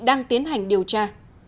đang tiến hành điều tra